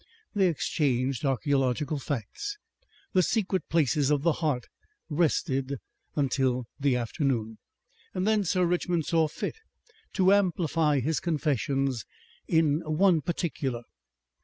They exchanged archaeological facts. The secret places of the heart rested until the afternoon. Then Sir Richmond saw fit to amplify his confessions in one particular.